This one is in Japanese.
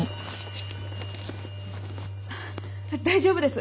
大丈夫です。